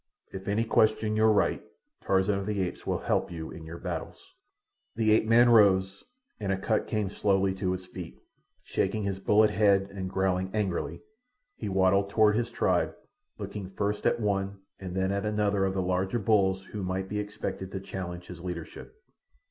If any question your right, Tarzan of the Apes will help you in your battles." The ape man rose, and Akut came slowly to his feet. Shaking his bullet head and growling angrily, he waddled toward his tribe, looking first at one and then at another of the larger bulls who might be expected to challenge his leadership.